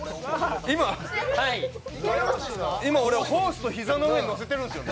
今、ホースト膝の上にのせているんですよ。